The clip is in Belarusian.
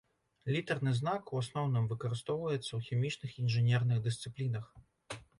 Літарны знак у асноўным выкарыстоўваецца ў хімічных інжынерных дысцыплінах.